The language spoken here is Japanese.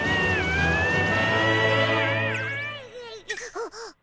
あっ！